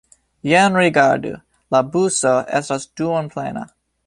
Jen rigardu: la buso estas duonplena.